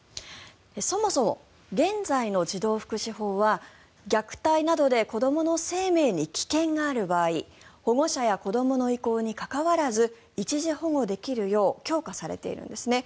そもそも現在の児童福祉法は虐待などで子どもの生命に危険がある場合保護者や子どもの意向に関わらず一時保護できるよう強化されているんですね。